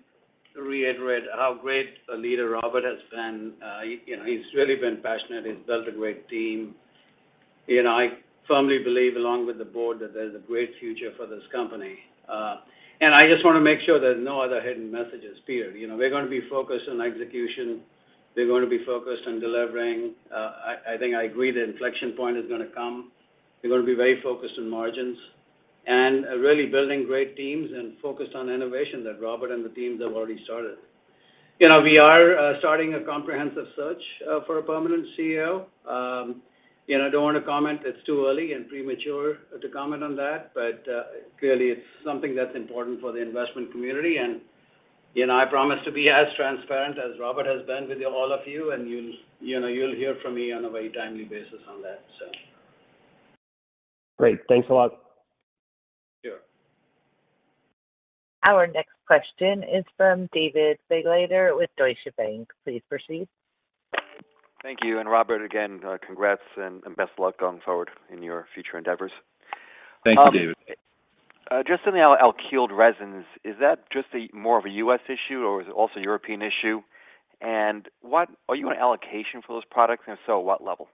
reiterate how great a leader Robert has been. You know, he's really been passionate. He's built a great team. You know, I firmly believe along with the board that there's a great future for this company. I just wanna make sure there's no other hidden messages here. You know, we're gonna be focused on execution. We're gonna be focused on delivering. I think I agree the inflection point is gonna come. We're gonna be very focused on margins and really building great teams and focused on innovation that Robert and the teams have already started. You know, we are starting a comprehensive search for a permanent CEO. You know, I don't want to comment. It's too early and premature to comment on that, but clearly it's something that's important for the investment community. You know, I promise to be as transparent as Robert has been with all of you, and you'll, you know, you'll hear from me on a very timely basis on that, so. Great. Thanks a lot. Sure. Our next question is from David Begleiter with Deutsche Bank. Please proceed. Thank you. Robert, again, congrats and best of luck going forward in your future endeavors. Thank you, David. Just on the alkyd resins, is that just more of a U.S. issue or is it also a European issue? What are you on allocation for those products, and if so, what level?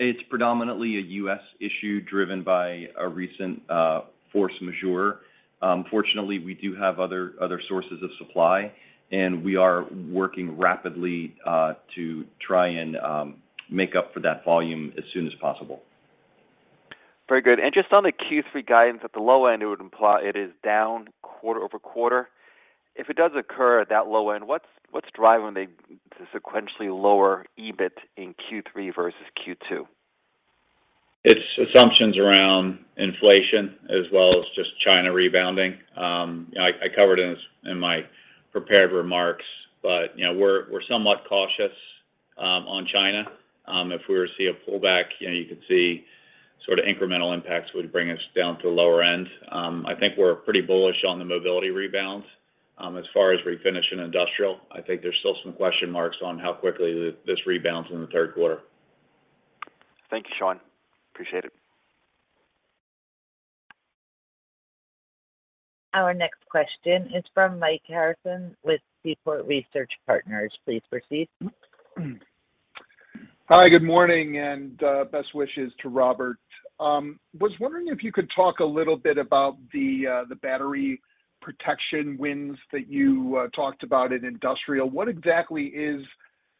It's predominantly a U.S. issue driven by a recent force majeure. Fortunately, we do have other sources of supply, and we are working rapidly to try and make up for that volume as soon as possible. Very good. Just on the Q3 guidance at the low end, it would imply it is down quarter-over-quarter. If it does occur at that low end, what's driving the sequentially lower EBIT in Q3 versus Q2? It's assumptions around inflation as well as just China rebounding. I covered in my prepared remarks, but you know, we're somewhat cautious on China. If we were to see a pullback, you know, you could see sort of incremental impacts would bring us down to the lower end. I think we're pretty bullish on the Mobility rebounds. As far as Refinish and Industrial, I think there's still some question marks on how quickly this rebounds in the third quarter. Thank you, Sean. Appreciate it. Our next question is from Mike Harrison with Seaport Research Partners. Please proceed. Hi, good morning, and best wishes to Robert. Was wondering if you could talk a little bit about the battery protection wins that you talked about in Industrial. What exactly is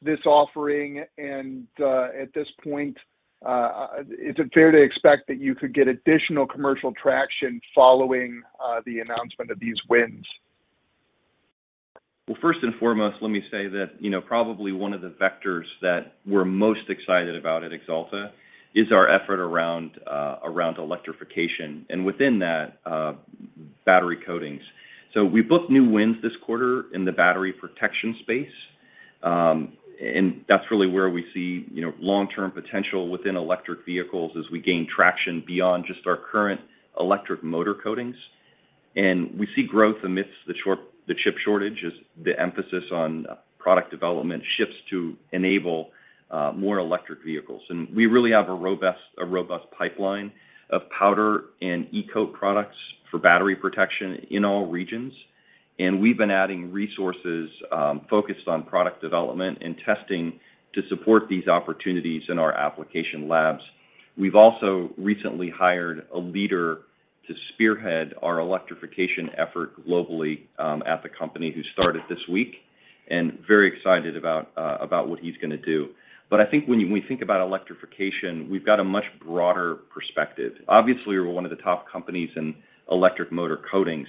this offering? At this point, is it fair to expect that you could get additional commercial traction following the announcement of these wins? Well, first and foremost, let me say that, you know, probably one of the vectors that we're most excited about at Axalta is our effort around electrification, and within that, battery coatings. We booked new wins this quarter in the battery protection space, and that's really where we see, you know, long-term potential within electric vehicles as we gain traction beyond just our current electric motor coatings. We see growth amidst the chip shortage as the emphasis on product development shifts to enable more electric vehicles. We really have a robust pipeline of powder and e-coat products for battery protection in all regions. We've been adding resources focused on product development and testing to support these opportunities in our application labs. We've also recently hired a leader to spearhead our electrification effort globally, at the company who started this week. Very excited about what he's gonna do. I think when you think about electrification, we've got a much broader perspective. Obviously, we're one of the top companies in electric motor coatings,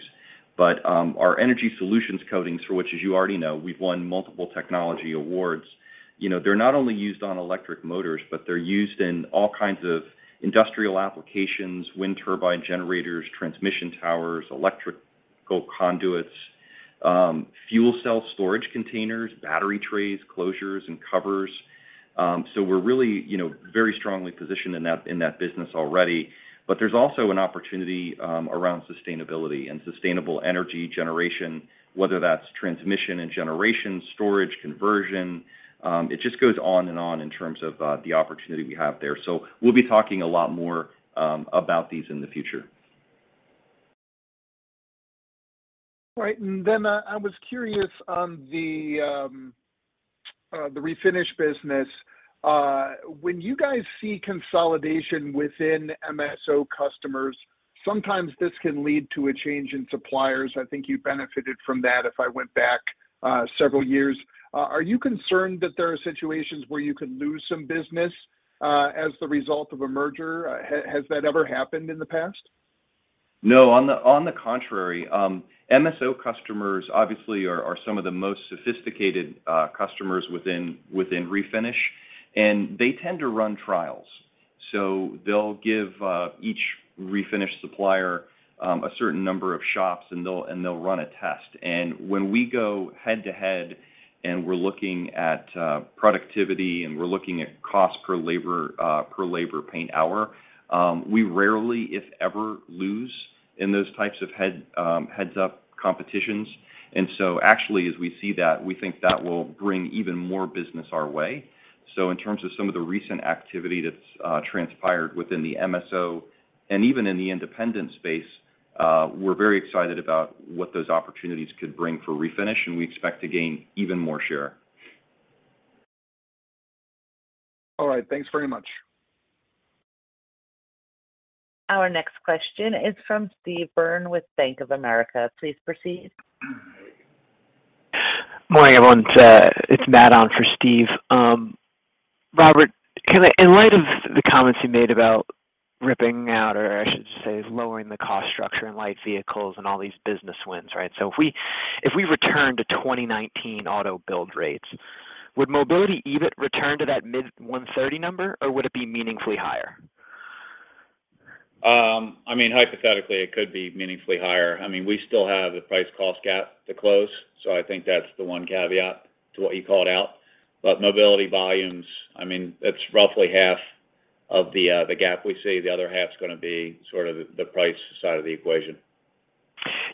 but our energy solutions coatings for which, as you already know, we've won multiple technology awards. You know, they're not only used on electric motor, but they're used in all kinds of industrial applications, wind turbine generators, transmission towers, electrical conduits, fuel cell storage containers, battery trays, closures, and covers. So we're really, you know, very strongly positioned in that business already. There's also an opportunity around sustainability and sustainable energy generation, whether that's transmission and generation, storage, conversion, it just goes on and on in terms of the opportunity we have there. We'll be talking a lot more about these in the future. Right. I was curious on the refinish business. When you guys see consolidation within MSO customers, sometimes this can lead to a change in suppliers. I think you benefited from that if I went back several years. Are you concerned that there are situations where you could lose some business as the result of a merger? Has that ever happened in the past? No. On the contrary, MSO customers obviously are some of the most sophisticated customers within Refinish, and they tend to run trials. They'll give each Refinish supplier a certain number of shops, and they'll run a test. When we go head-to-head, and we're looking at productivity, and we're looking at cost per labor paint hour, we rarely, if ever, lose in those types of heads-up competitions. Actually, as we see that, we think that will bring even more business our way. In terms of some of the recent activity that's transpired within the MSO and even in the independent space, we're very excited about what those opportunities could bring for Refinish, and we expect to gain even more share. All right. Thanks very much. Our next question is from Steve Byrne with Bank of America. Please proceed. Morning, everyone. It's Matt on for Steve. Robert, can I in light of the comments you made about ripping out, or I should say, lowering the cost structure in light vehicles and all these business wins, right? If we return to 2019 auto build rates, would mobility EBIT return to that mid-130 number, or would it be meaningfully higher? I mean, hypothetically, it could be meaningfully higher. I mean, we still have the price cost gap to close, so I think that's the one caveat to what you called out. Mobility volumes, I mean, it's roughly half of the gap we see. The other half's gonna be sort of the price side of the equation.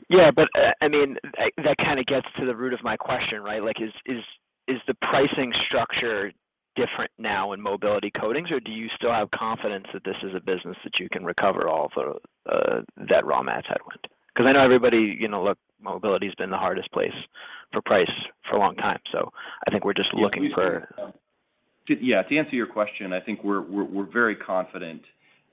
Yeah, I mean, that kinda gets to the root of my question, right? Like, is the pricing structure different now in Mobility Coatings, or do you still have confidence that this is a business that you can recover all of that raw material headwinds? 'Cause I know everybody, you know, look, Mobility's been the hardest place for pricing for a long time. I think we're just looking for- Yeah. To answer your question, I think we're very confident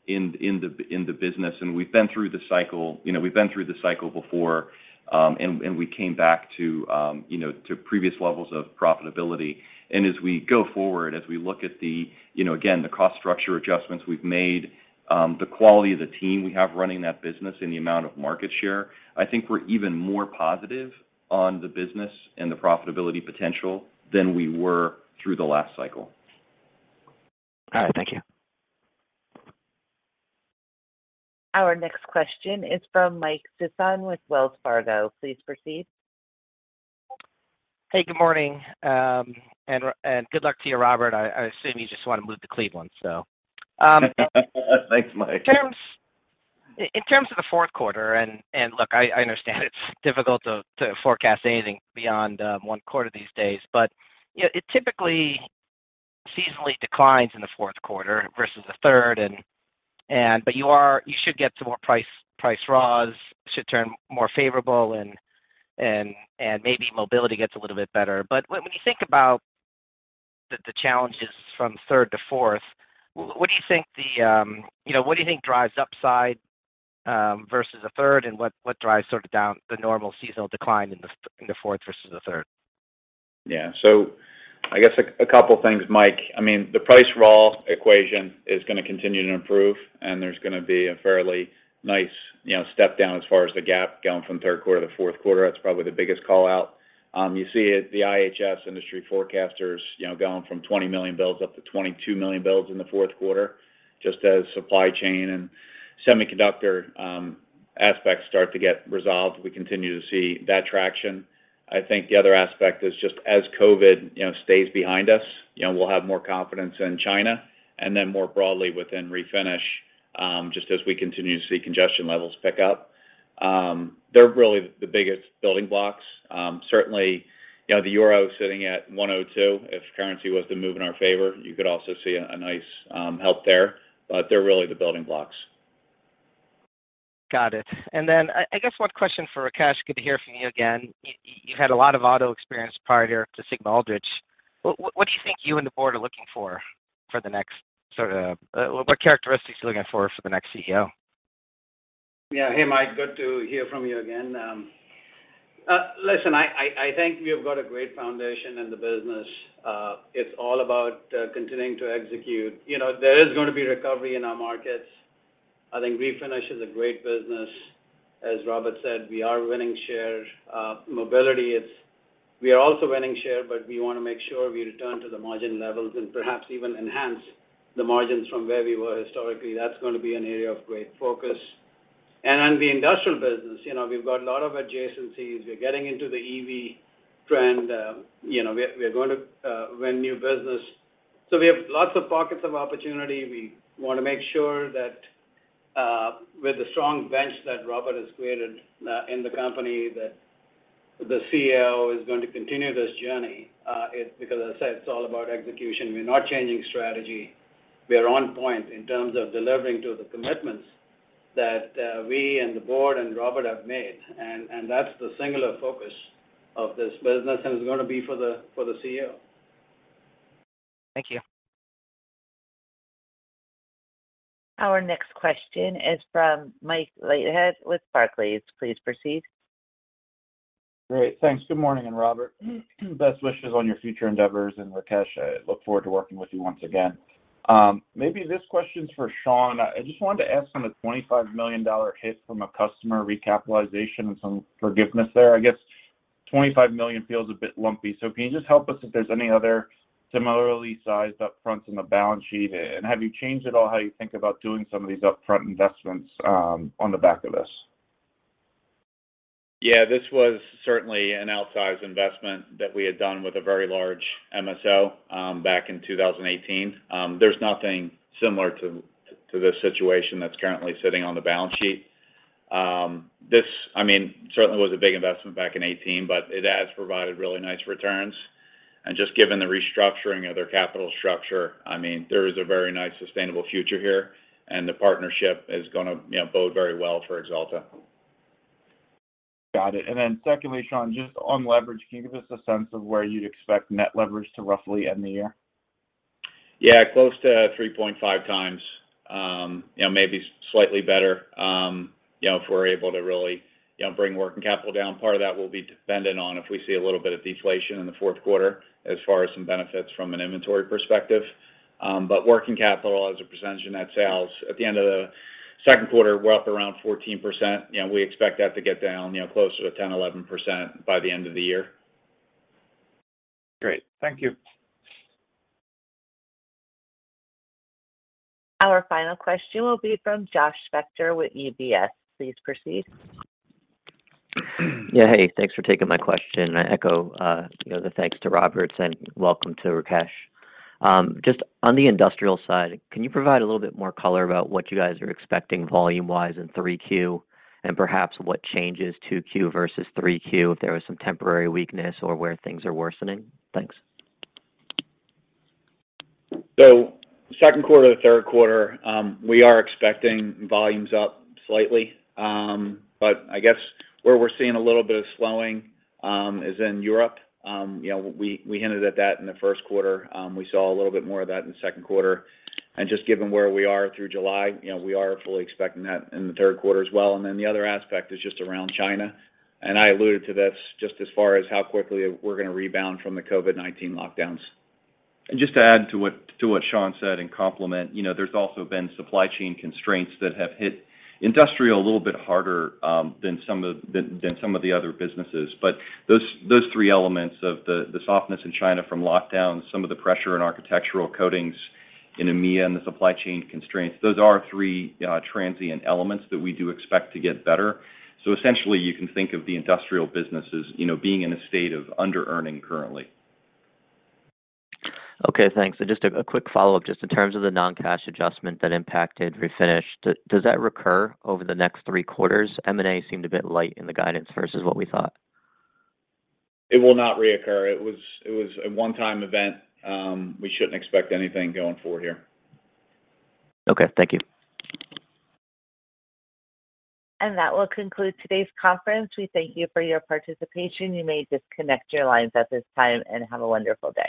in the business, and we've been through the cycle. You know, we've been through the cycle before, and we came back to, you know, to previous levels of profitability. As we go forward, as we look at the, you know, again, the cost structure adjustments we've made, the quality of the team we have running that business and the amount of market share. I think we're even more positive on the business and the profitability potential than we were through the last cycle. All right. Thank you. Our next question is from Mike Sison with Wells Fargo. Please proceed. Hey, good morning, and good luck to you, Robert. I assume you just wanna move to Cleveland, so Thanks, Mike. In terms of the fourth quarter, look, I understand it's difficult to forecast anything beyond one quarter these days. You know, it typically seasonally declines in the fourth quarter versus the third, and but you should get to more price, raws should turn more favorable, and maybe Mobility gets a little bit better. When you think about the challenges from third to fourth, what do you think drives upside versus the third, and what drives sort of down the normal seasonal decline in the fourth versus the third? Yeah. I guess a couple things, Mike. I mean, the price raw equation is gonna continue to improve, and there's gonna be a fairly nice, you know, step down as far as the gap going from third quarter to fourth quarter. That's probably the biggest call-out. You see it, the IHS Markit industry forecasters, you know, going from 20 million builds up to 22 million builds in the fourth quarter, just as supply chain and semiconductor aspects start to get resolved. We continue to see that traction. I think the other aspect is just as COVID stays behind us, you know, we'll have more confidence in China and then more broadly within Refinish, just as we continue to see congestion levels pick up. They're really the biggest building blocks. Certainly, you know, the euro sitting at 1.02. If currency was to move in our favor, you could also see a nice help there. They're really the building blocks. Got it. I guess one question for Rakesh. Good to hear from you again. You've had a lot of auto experience prior to Sigma-Aldrich. What do you think you and the board are looking for the next, what characteristics are you looking for the next CEO? Yeah. Hey, Mike, good to hear from you again. Listen, I think we have got a great foundation in the business. It's all about continuing to execute. You know, there is gonna be recovery in our markets. I think Refinish is a great business. As Robert said, we are winning shares. Mobility, we are also winning share, but we wanna make sure we return to the margin levels and perhaps even enhance the margins from where we were historically. That's gonna be an area of great focus. On the Industrial business, you know, we've got a lot of adjacencies. We're getting into the EV trend, you know, we are going to win new business. So we have lots of pockets of opportunity. We wanna make sure that with the strong bench that Robert has created in the company, that the CEO is going to continue this journey. It's because, as I said, it's all about execution. We're not changing strategy. We are on point in terms of delivering to the commitments that we and the board and Robert have made. That's the singular focus of this business and is gonna be for the CEO. Thank you. Our next question is from Mike Leithead with Barclays. Please proceed. Great. Thanks. Good morning. Robert, best wishes on your future endeavors. Rakesh, I look forward to working with you once again. Maybe this question's for Sean. I just wanted to ask on the $25 million hit from a customer recapitalization and some forgiveness there. I guess $25 million feels a bit lumpy. Can you just help us if there's any other similarly sized upfronts in the balance sheet? Have you changed at all how you think about doing some of these upfront investments, on the back of this? Yeah, this was certainly an outsized investment that we had done with a very large MSO back in 2018. There's nothing similar to this situation that's currently sitting on the balance sheet. This, I mean, certainly was a big investment back in 2018, but it has provided really nice returns. Just given the restructuring of their capital structure, I mean, there is a very nice sustainable future here, and the partnership is gonna, you know, bode very well for Axalta. Got it. Secondly, Sean, just on leverage, can you give us a sense of where you'd expect net leverage to roughly end the year? Yeah. Close to 3.5x. You know, maybe slightly better, you know, if we're able to really, you know, bring working capital down. Part of that will be dependent on if we see a little bit of deflation in the fourth quarter as far as some benefits from an inventory perspective. Working capital as a percentage of net sales at the end of the second quarter were up around 14%. You know, we expect that to get down, you know, closer to 10, 11% by the end of the year. Great. Thank you. Our final question will be from Josh Spector with UBS. Please proceed. Yeah, hey, thanks for taking my question. I echo, you know, the thanks to Robert and welcome to Rakesh. Just on the Industrial side, can you provide a little bit more color about what you guys are expecting volume-wise in 3Q and perhaps what changes 2Q versus 3Q if there was some temporary weakness or where things are worsening? Thanks. Second quarter to third quarter, we are expecting volumes up slightly. I guess where we're seeing a little bit of slowing is in Europe. You know, we hinted at that in the first quarter. We saw a little bit more of that in the second quarter. Just given where we are through July, you know, we are fully expecting that in the third quarter as well. Then the other aspect is just around China, and I alluded to this just as far as how quickly we're gonna rebound from the COVID-19 lockdowns. Just to add to what Sean said and complement, you know, there's also been supply chain constraints that have hit Industrial a little bit harder than some of the other businesses. Those three elements of the softness in China from lockdowns, some of the pressure in architectural coatings in EMEA and the supply chain constraints, those are three transient elements that we do expect to get better. Essentially, you can think of the Industrial business as, you know, being in a state of underearning currently. Okay, thanks. Just a quick follow-up, just in terms of the non-cash adjustment that impacted Refinish. Does that recur over the next three quarters? M&A seemed a bit light in the guidance versus what we thought. It will not recur. It was a one-time event. We shouldn't expect anything going forward here. Okay, thank you. That will conclude today's conference. We thank you for your participation. You may disconnect your lines at this time, and have a wonderful day.